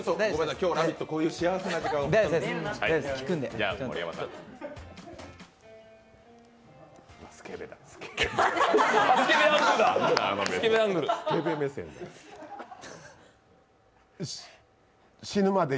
今日こういう幸せな時間で。